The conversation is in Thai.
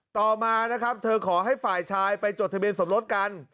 ต่อมานะครับเธอขอให้ฝ่ายชายไปจดทะเบียนสมรสกัน